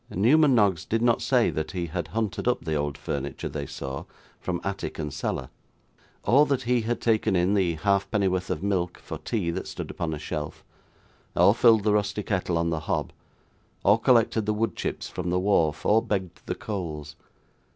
Newman Noggs did not say that he had hunted up the old furniture they saw, from attic and cellar; or that he had taken in the halfpennyworth of milk for tea that stood upon a shelf, or filled the rusty kettle on the hob, or collected the woodchips from the wharf, or begged the coals.